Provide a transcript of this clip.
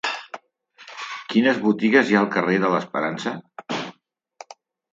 Quines botigues hi ha al carrer de l'Esperança?